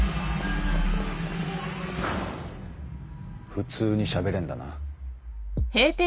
普通にしゃべれんだな。